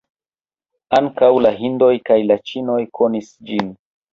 Ankaŭ la hindoj kaj la ĉinoj konis ĝin.